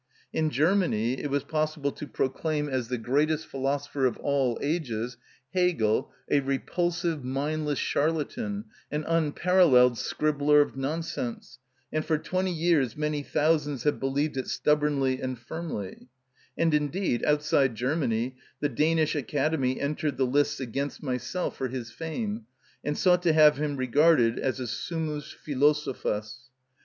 In Germany it was possible to proclaim as the greatest philosopher of all ages Hegel, a repulsive, mindless charlatan, an unparalleled scribbler of nonsense, and for twenty years many thousands have believed it stubbornly and firmly; and indeed, outside Germany, the Danish Academy entered the lists against myself for his fame, and sought to have him regarded as a summus philosophus.